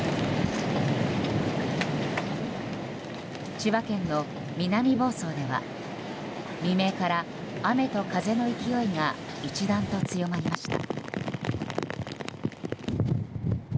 千葉県の南房総では未明から雨と風の勢いが一段と強まりました。